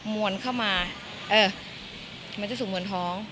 วนเข้ามาเออมันจะสู่มวลท้อง